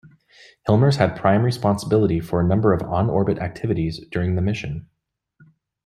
Hilmers had prime responsibility for a number of on-orbit activities during the mission.